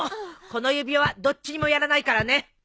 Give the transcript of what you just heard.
この指輪はどっちにもやらないからね。